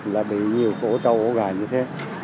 là bị nhiều cổ tàu ổ gài như thế